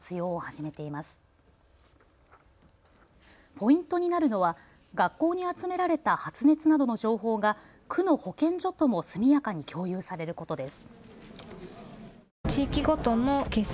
ポイントになるのは学校に集められた発熱などの情報が区の保健所とも速やかに共有されることです。